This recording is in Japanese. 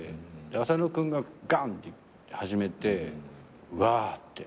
浅野君がガンって始めてうわって。